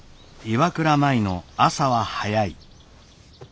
岩倉舞の朝は早い。